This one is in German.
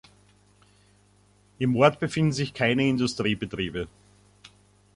Im Ort befinden sich keine Industriebetriebe.